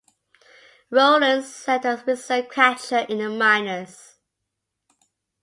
Rowland served as a reserve catcher in the minors.